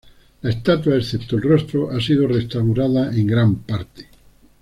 La estatua, excepto el rostro, ha sido restaurada en gran parte.